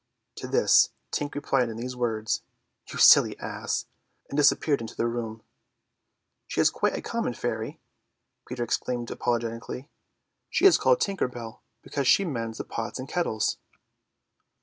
To this Tink replied in these words, "You silly ass," and disappeared into the bathroom. "She is quite a common fairy," Peter explained apologetically, "she is called Tinker Bell because she mends the pots and kettles."